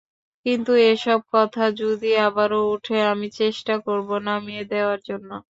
কিন্তু এসব কথা যদি আবারও ওঠে আমি চেষ্টা করব নামিয়ে দেওয়ার জন্য।